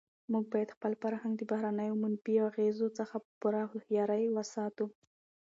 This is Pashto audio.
موږ باید خپل فرهنګ د بهرنیو منفي اغېزو څخه په پوره هوښیارۍ وساتو.